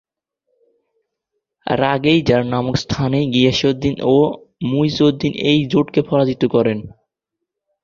রাগ-ই jar নামক স্থানে গিয়াসউদ্দিন ও মুইজউদ্দিন এই জোটকে পরাজিত করেন।